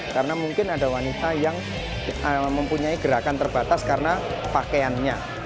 karena mungkin ada wanita yang mempunyai gerakan terbatas karena pakaiannya